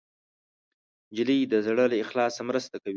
نجلۍ د زړه له اخلاصه مرسته کوي.